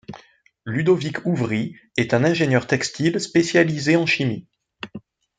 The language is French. Ludovic Ouvry est un ingénieur textile spécialisé en chimie.